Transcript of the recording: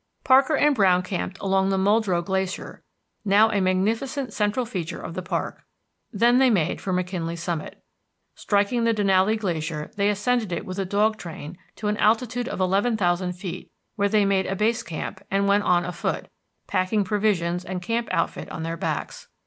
Parker and Browne camped along the Muldrow Glacier, now a magnificent central feature of the park. Then they made for McKinley summit. Striking the Denali Glacier, they ascended it with a dog train to an altitude of eleven thousand feet, where they made a base camp and went on afoot, packing provisions and camp outfit on their backs.